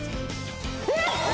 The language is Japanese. えっ！？